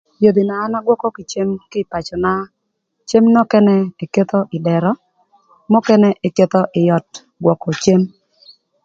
Yodhi na an agwökö kï cem kï ï pacöna, cem nökënë eketho ï dërö, nökënë eketho ï öt gwökö cem.